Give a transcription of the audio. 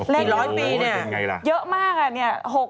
เลข๑๐๐ปีเยอะมาก